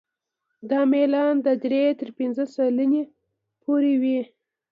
دا میلان د درې تر پنځه سلنې پورې وي